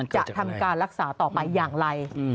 จะทำการรักษาต่อไปอย่างไร